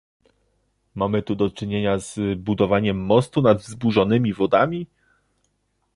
Mamy tu do czynienia z budowaniem mostu nad wzburzonymi wodami?